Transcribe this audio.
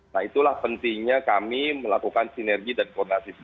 nah itulah pentingnya kami melakukan sinergi dan koordinasi